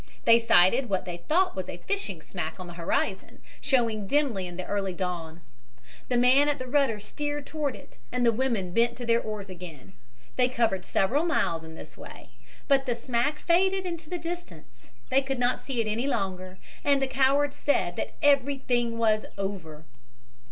They sighted what they thought was a fishing smack on the horizon, showing dimly in the early dawn. The man at the rudder steered toward it, and the women bent to their oars again. They covered several miles in this way but the smack faded into the distance. They could not see it any longer. And the coward said that everything was over.